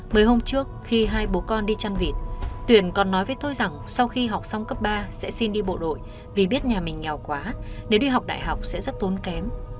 mấy hôm trước khi hai bố con đi chăn vịt tuyển còn nói với tôi rằng sau khi học xong cấp ba sẽ xin đi bộ đội vì biết nhà mình nghèo quá nếu đi học đại học sẽ rất tốn kém